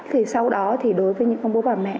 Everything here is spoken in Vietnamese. thì sau đó thì đối với những bố bà mẹ